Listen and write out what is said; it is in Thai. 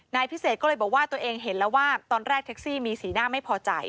นายพิเศษก็เลยบอกว่าตัวเองเห็นแล้วว่าตอนแรกแท็กซี่มีสีหน้าไม่พอใจ